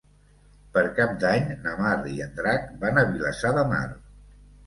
Per Cap d'Any na Mar i en Drac van a Vilassar de Mar.